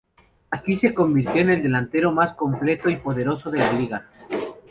Aquí se convirtió en el delantero más completo y poderoso de la liga.